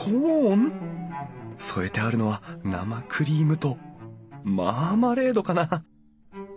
添えてあるのは生クリームとマーマレードかな？